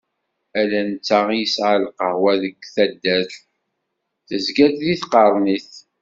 Ala netta i yesɛan lqahwa deg taddart, tezga-d deg tqernit.